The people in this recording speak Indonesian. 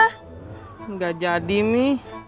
nggak jadi mi